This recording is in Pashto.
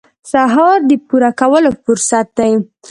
سهار د پوره کولو فرصت دی.